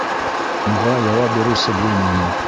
Уға яуап биреүсе булманы.